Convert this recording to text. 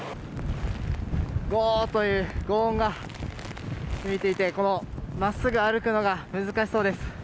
ゴーという轟音が響いていて真っすぐ歩くのが難しそうです。